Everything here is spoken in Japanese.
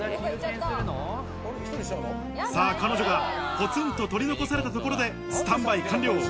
さぁ、彼女がぽつんと取り残されたところでスタンバイ完了。